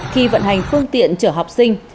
khi vận hành phương tiện chở học sinh